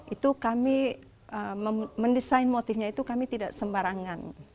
itu kami mendesain motifnya itu kami tidak sembarangan